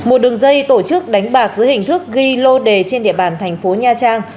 một đường dây tổ chức đánh bạc giữa hình thức ghi lô đề trên địa bàn thành phố nha trang